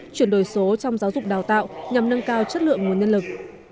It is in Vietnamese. chuyển đổi số trong giáo dục đào tạo nhằm nâng cao chất lượng nguồn nhân lực